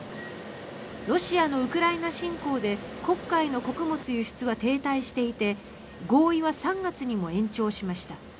ロシアのウクライナ侵攻で黒海の穀物輸出は停滞していて合意は３月にも延長しました。